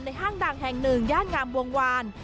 ห้างดังแห่งหนึ่งย่านงามวงวาน